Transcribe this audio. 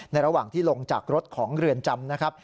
ระหว่างที่ลงจากรถของเรือนจำนะครับ